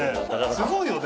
すごいよね。